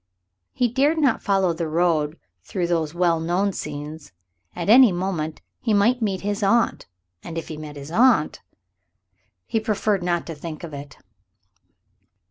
He dared not follow the road through those well known scenes. At any moment he might meet his aunt. And if he met his aunt ... he preferred not to think of it.